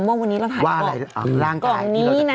ว่าวันนี้เราถ่ายออกกล่องนี้นะ